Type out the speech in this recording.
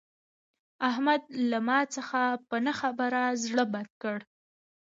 احمد له ما څخه په نه خبره زړه بد کړ.